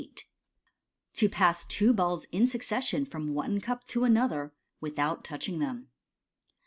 To Pass two Balls in succession from onb Cup to another without touching them.